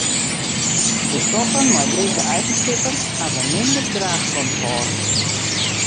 De stoffen mei dizze eigenskippen hawwe minder draachkomfort.